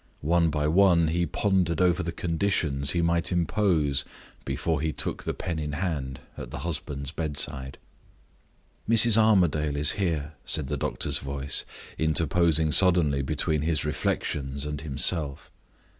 One by one he pondered over the conditions he might impose before he took the pen in hand at the husband's bedside. "Mrs. Armadale is here," said the doctor's voice, interposing suddenly between his reflections and himself.